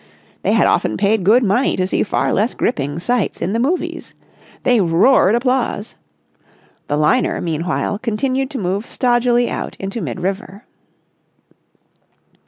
They had often paid good money to see far less gripping sights in the movies. They roared applause. The liner, meanwhile, continued to move stodgily out into mid river.